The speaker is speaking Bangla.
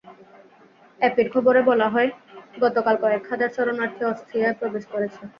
এপির খবরে বলা হয়, গতকাল কয়েক হাজার শরণার্থী অস্ট্রিয়ায় প্রবেশ করেছে।